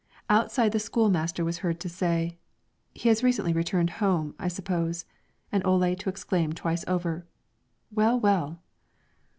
Outside the school master was heard to say, "He has recently returned home, I suppose," and Ole to exclaim twice over, "Well, well!"